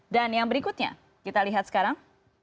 dan yang berikutnya kita lihat sekarang